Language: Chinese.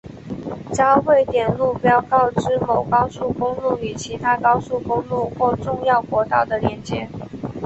交汇点路标告知某高速公路与其他高速公路或重要国道的连接。